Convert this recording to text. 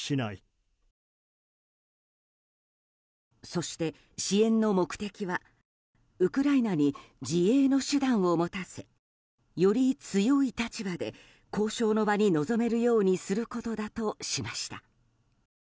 そして支援の目的はウクライナに自衛の手段を持たせより強い立場で交渉の場に臨めるようにすることだとしました。